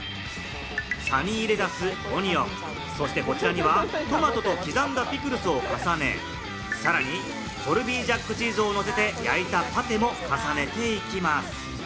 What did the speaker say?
サニーレタス、オニオン、そしてこちらにはトマトと刻んだピクルスを重ね、さらにコルビージャックチーズをのせて焼いたパテも重ねていきます。